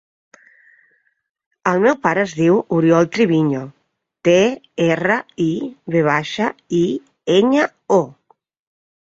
El meu pare es diu Oriol Triviño: te, erra, i, ve baixa, i, enya, o.